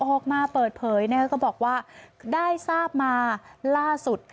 ออกมาเปิดเผยก็บอกว่าได้ทราบมาล่าสุด